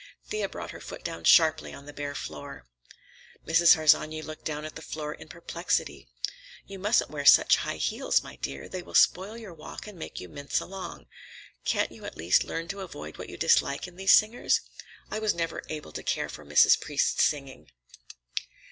Thea brought her foot down sharply on the bare floor. Mrs. Harsanyi looked down at the foot in perplexity. "You mustn't wear such high heels, my dear. They will spoil your walk and make you mince along. Can't you at least learn to avoid what you dislike in these singers? I was never able to care for Mrs. Priest's singing."